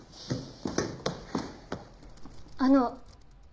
あの。